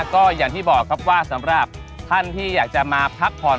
ก็อย่างที่บอกครับว่าสำหรับท่านที่อยากจะมาพักผ่อน